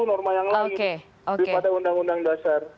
norma yang lain daripada undang undang dasar